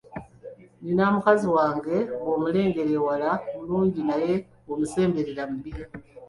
Nina mukazi wange; bw’omulengerera ewala mulungi naye bw'omusemberera mubi.